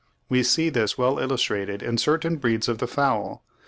We see this well illustrated in certain breeds of the fowl.